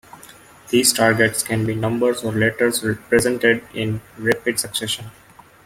These targets can be numbers or letters presented in rapid succession.